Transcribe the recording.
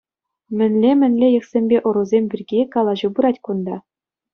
Мӗнле-мӗнле йӑхсемпе ӑрусем пирки калаҫу пырать кун-та?